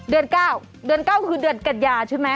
เดือนเก้าคือเดือนกัญญาใช่มั้ย